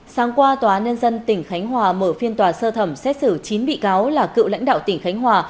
sáng qua tòa án nhân dân tỉnh khánh hòa mở phiên tòa sơ thẩm xét xử chín bị cáo là cựu lãnh đạo tỉnh khánh hòa